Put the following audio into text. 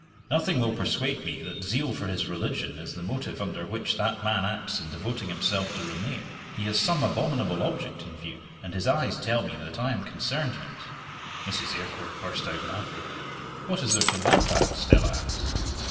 Nothing will persuade me that zeal for his religion is the motive under which that man acts in devoting himself to Romayne. He has some abominable object in view, and his eyes tell me that I am concerned in it." Mrs. Eyrecourt burst out laughing. "What is there to laugh at?" Stella asked.